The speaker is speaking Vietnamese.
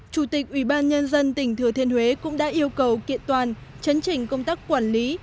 chủ tịch ủy ban nhân dân tỉnh thừa thiên huế cũng đã yêu cầu kiện toàn chấn trình công tác quản lý